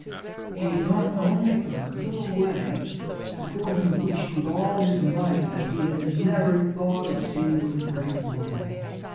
He had gone only a little way before he wished with all his might that he had never thought of seeing the Great World.